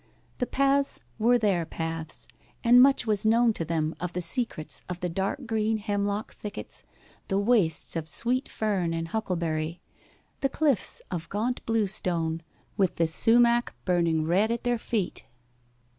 The paths were their paths, and much was known to them of the secrets of the dark green hemlock thickets, the wastes of sweet fern and huckleberry, the cliffs of gaunt bluestone with the sumach burning red at their feet.